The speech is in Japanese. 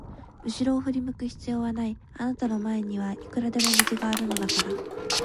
うしろを振り向く必要はない、あなたの前にはいくらでも道があるのだから。